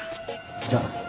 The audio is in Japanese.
じゃあな。